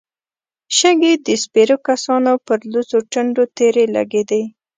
شګې د سپرو کسانو پر لوڅو ټنډو تېرې لګېدې.